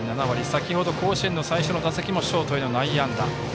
先程、甲子園の最初の打席もショートへの内野安打。